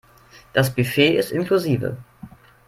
Das Buffet ist inklusive.